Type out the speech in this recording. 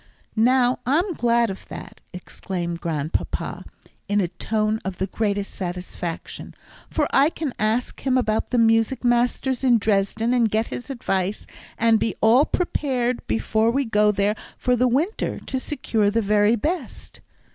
"Now, I'm glad of that," exclaimed Grandpapa, in a tone of the greatest satisfaction, "for I can ask him about the music masters in Dresden and get his advice, and be all prepared before we go there for the winter to secure the very best."